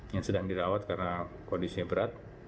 yang sedang dirawat karena kondisinya berat